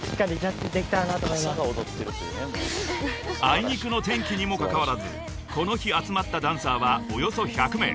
［あいにくの天気にもかかわらずこの日集まったダンサーはおよそ１００名］